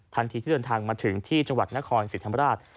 ทันทีที่เดินทางมาถึงที่จังหวัดนครศรีธรรมราช